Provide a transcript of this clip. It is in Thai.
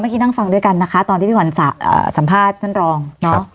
นั่งฟังด้วยกันนะคะตอนที่พี่ขวัญสัมภาษณ์ท่านรองเนอะ